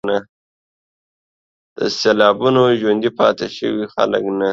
سېلابونو ژوندي پاتې شوي خلک نه